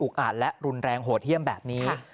อาจและรุนแรงโหดเยี่ยมแบบนี้